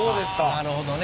なるほどね。